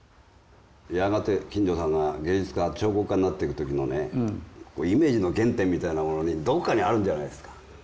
やがて金城さんが芸術家彫刻家になっていく時のねイメージの原点みたいなものにどこかにあるんじゃないですか？